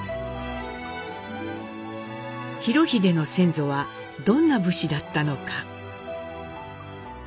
裕英の先祖はどんな武士だったのか？